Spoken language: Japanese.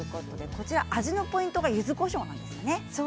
味のポイントがゆずこしょうなんですね。